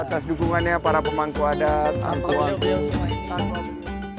atas dukungannya para pemangku adat antua semua ini